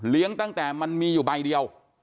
ตั้งแต่มันมีอยู่ใบเดียว